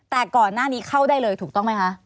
แต่ก่อนหน้านี้เข้าได้เลยถูกต้องไหมคะ